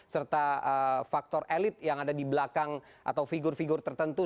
serta faktor elit yang ada di belakang atau figur figur tertentu